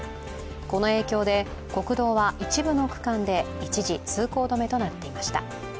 この影響で国道は一部の区間で一時、通行止めとなっていました。